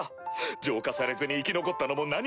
浄化されずに生き残ったのも何かの縁。